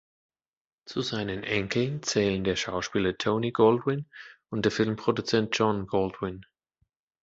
Zu seinen Enkeln zählen der Schauspieler Tony Goldwyn und der Filmproduzent John Goldwyn.